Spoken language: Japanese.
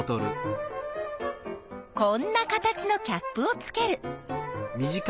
こんな形のキャップをつける。